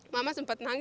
mama sempat nanya